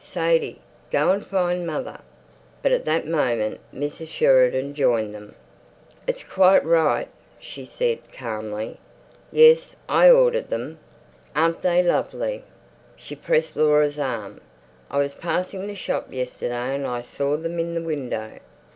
Sadie, go and find mother." But at that moment Mrs. Sheridan joined them. "It's quite right," she said calmly. "Yes, I ordered them. Aren't they lovely?" She pressed Laura's arm. "I was passing the shop yesterday, and I saw them in the window.